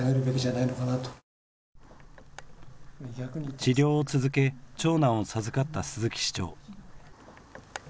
治療を続け長男を授かった鈴木市長。